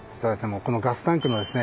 もうこのガスタンクのですね